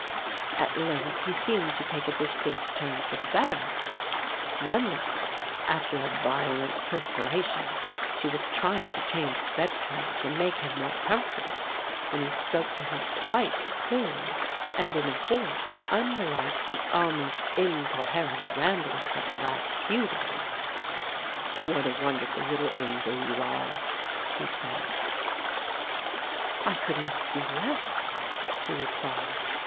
At length he seemed to take a distinct turn for the better. One night after a violent perspiration she was trying to change the bedclothes and make him more comfortable when he spoke to her quite clearly and in a voice unlike the almost incoherent ramblings of the last few days, "What a wonderful little angel you are," he said. "I could not do less," she replied.